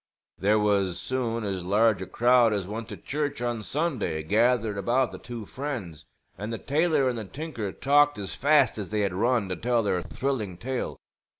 There was soon as large a crowd as went to church on Sunday gathered about the two friends; and the tailor and the tinker talked as fast as they had run, to tell their thrilling tale.